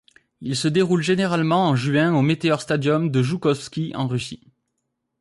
Il se déroule généralement en juin au Meteor Stadium de Joukovski, en Russie.